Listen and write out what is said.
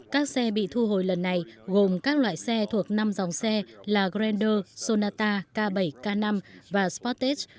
các xe bị thu hồi lần này gồm các loại xe thuộc năm dòng xe là grander sonata k bảy k năm và sportes